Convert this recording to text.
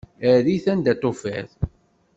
Err-it anda i t-tufiḍ.